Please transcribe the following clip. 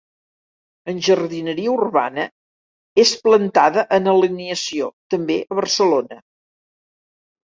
En jardineria urbana és plantada en alineació, també a Barcelona.